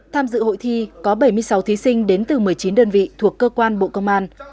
tham dự hội thi có bảy mươi sáu thí sinh đến từ một mươi chín đơn vị thuộc cơ quan bộ công an